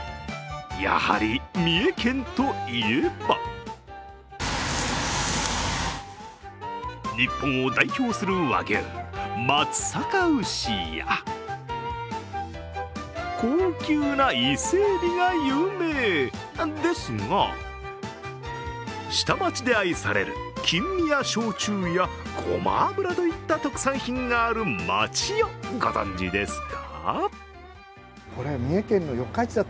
やはり三重県といえば日本を代表する和牛、松阪牛や高級な伊勢えびが有名ですが下町で愛されるキンミヤ焼酎やごま油といった特産品がある町をご存じですか？